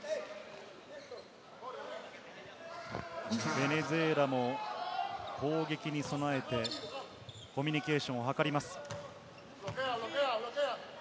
ベネズエラも攻撃に備えてコミュニケーションを図ります。